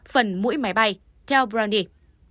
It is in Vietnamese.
phần mũi máy bay theo brownie